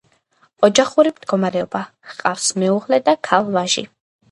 ოჯახური მდგომარეობა: ჰყავს მეუღლე და ქალ-ვაჟი.